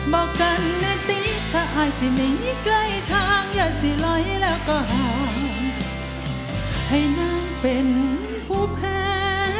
บอกกันนะติถ้าหายสิหนีใกล้ทางอย่าสิลอยแล้วก็ห่างให้นั่งเป็นผู้แพ้